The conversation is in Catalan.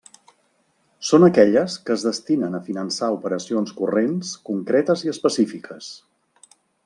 Són aquelles que es destinen a finançar operacions corrents concretes i específiques.